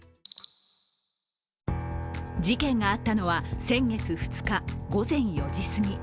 事件があったのは先月２日午前４時過ぎ。